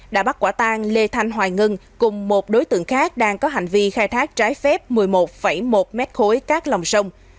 đã bắt quả tang lê thanh hoài ngân cùng một đối tượng khác đang có hành vi khai thác trái phép một mươi một một mét khối cát lòng sông